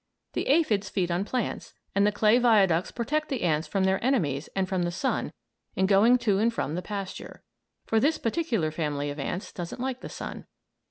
The aphids feed on plants, and the clay viaducts protect the ants from their enemies and from the sun in going to and from the pasture; for this particular family of ants doesn't like the sun.